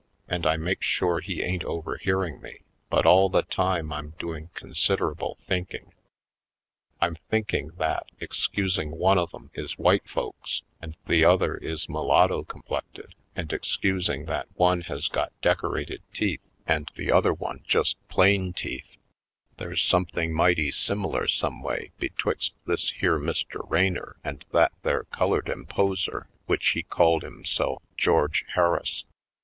And I makes sure he ain't overhearing me, but all the time I'm doing considerable thinking. I'm think ing that, excusing one of 'em is white folks and the other is mulatto complected and excusing that one has got decorated teeth and the other one just plain teeth, there's 92 /. PoindexteVj Colored something mighty similar someway betwixt this here Mr. Raynor and that there colored imposer, which he called himself George Harris.